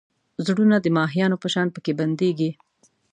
زړونه د ماهیانو په شان پکې بندېږي.